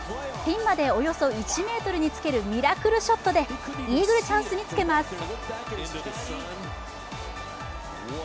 ピンまでおよそ１ｍにつけるミラクルショットでイーグルチャンスにつけます。